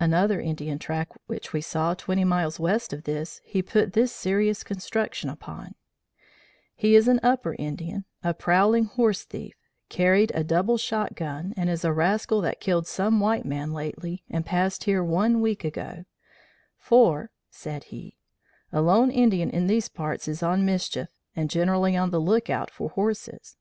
"Another Indian track which we saw twenty miles west of this he put this serious construction upon: 'He is an upper Indian a prowling horse thief carried a double shot gun, and is a rascal that killed some white man lately, and passed here one week ago; for,' said he, 'a lone Indian in these parts is on mischief, and generally on the lookout for horses.